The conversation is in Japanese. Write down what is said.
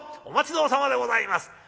お待ち遠さまでございます」。